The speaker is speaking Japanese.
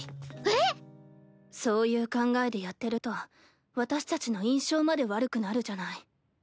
えっ⁉そういう考えでやってると私たちの印象まで悪くなるじゃない。